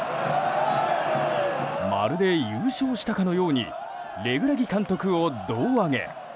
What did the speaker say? まるで優勝したかのようにレグラギ監督を胴上げ。